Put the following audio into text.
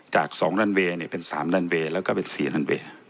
จาก๒ลันเวย์เป็น๓ลันเวย์แล้วก็เป็น๔ลันเวย์